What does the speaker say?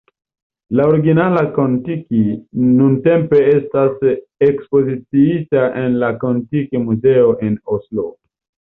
La originala Kon-Tiki nuntempe estas ekspoziciita en la Kon-Tiki Muzeo en Oslo.